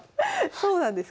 そうなんですか。